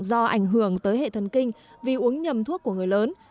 do ảnh hưởng tới hệ thần kinh vì uống nhầm thuốc của người lớn